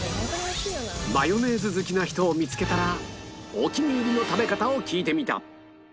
マヨネーズ好きな人を見付けたらお気に入りの食べ方を聞いてみた！